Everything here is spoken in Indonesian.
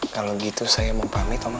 kalau gitu saya mau pamit sama